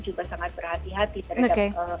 juga sangat berhati hati terhadap